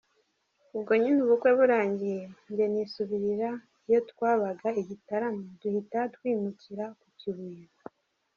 Ubwo nyine ubukwe burangiye, njye nisubirira iyo twabaga i Gitarama, duhita twimukira ku Kibuye.